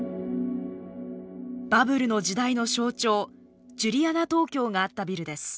バブルの時代の象徴ジュリアナ東京があったビルです。